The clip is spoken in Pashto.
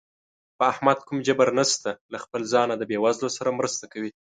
په احمد کوم جبر نشته، له خپله ځانه د بېوزلو سره مرسته کوي.